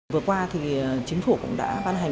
vừa qua thì chính phủ cũng đã ban hành